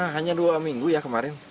hanya dua minggu ya kemarin